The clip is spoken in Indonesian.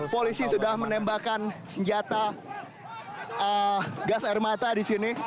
polisi sudah menembakkan senjata gas air mata di sini